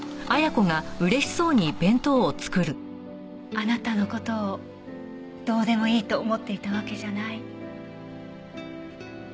あなたの事をどうでもいいと思っていたわけじゃない。